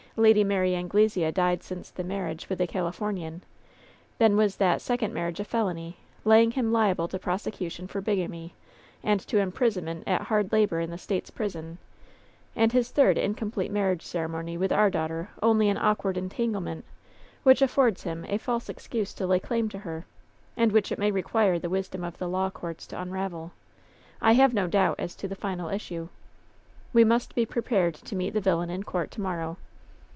Lady Mary Anglesea died since the marriage with the Califomian, then was that second marriage a felony, laying him liable to prosecution for bigamy, and to imprisonment at hard labor in the State's prison, and his third incom 96 LOVE'S BITTEREST CUP plete marriage ceremony with our daughter only an awkward entanglement, which affords him a false ex cuse to lay claim to her, and which it may require the wisdom of the law courts to imravel. I have no doubt as to the final issue. We must be prepared to meet the villain in court to morrow.